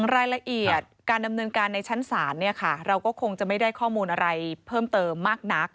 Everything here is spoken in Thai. รายละเอียดการดำเนินการในชั้นศาลเราก็คงจะไม่ได้ข้อมูลอะไรเพิ่มเติมมากนัก